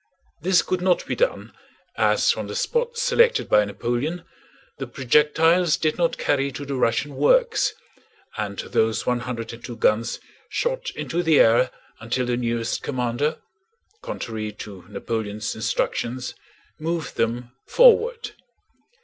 This could not be done, as from the spots selected by Napoleon the projectiles did not carry to the Russian works, and those 102 guns shot into the air until the nearest commander, contrary to Napoleon's instructions, moved them forward.